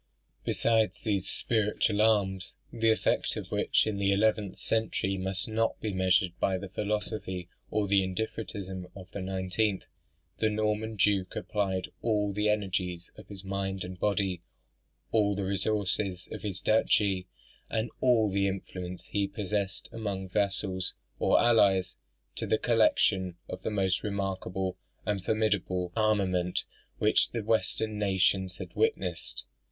Besides these spiritual arms (the effect of which in the eleventh century must not be measured by the philosophy or the indifferentism of the nineteenth), the Norman duke applied all the energies of his mind and body, all the resources of his duchy, and all the influence he possessed among vassals or allies, to the collection of "the most remarkable and formidable armament which the Western nations had witnessed."